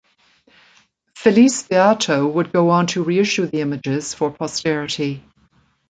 Felice Beato would go on to reissue the images for posterity.